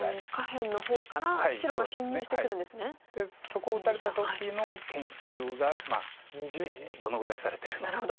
そこを打たれた時の研究がどのぐらいされてるかということです。